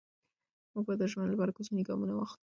موږ به د ژمنو لپاره کوچني ګامونه واخلو.